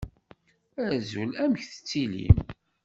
Azul, amek tettilim?